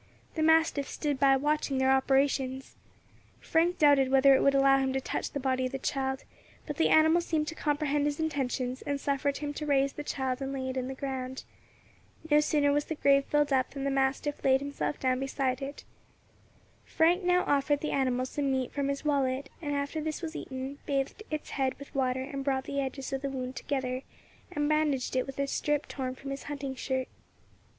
The mastiff stood by watching their operations. Frank doubted whether it would allow him to touch the body of the child; but the animal seemed to comprehend his intentions, and suffered him to raise the child and lay it in the ground. No sooner was the grave filled up than the mastiff laid himself down beside it. Frank now offered the animal some meat from his wallet, and after this was eaten, bathed its head with water and brought the edges of the wound together, and bandaged it with a strip torn from his hunting shirt.